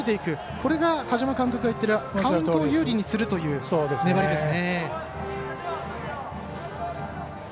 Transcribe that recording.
これが田島監督が言っているカウントを有利にするという粘りですね。